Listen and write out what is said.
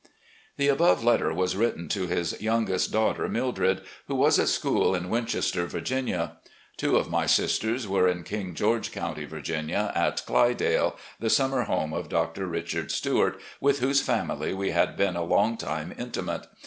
The above letter was written to his youngest daughter, Mildred, who was at school in Winchester, Virginia. Two of my sisters were in King George Cotmty, Virginia, at "Clydale," the summer home of Dr. Richard Sttiart, with whose family we had been a long time intimate.